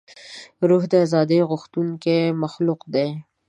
روح د ازادۍ غوښتونکی مخلوق دی.